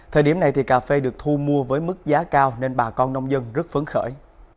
thời điểm này thì cà phê được thu mua với mức giá cao nên bà con nông dân rất phấn khởi